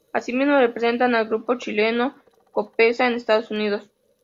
Asimismo, representa al grupo chileno Copesa en Estados Unidos.